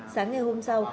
sáng ngày hôm sau